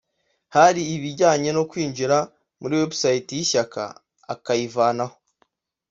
hari ibijyanye no kwinjira muri website y’ishyaka akayivanaho